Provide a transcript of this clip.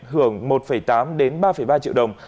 hưởng một tám đến ba ba triệu đồng